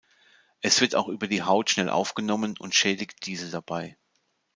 Es wird auch über die Haut schnell aufgenommen und schädigt diese dabei.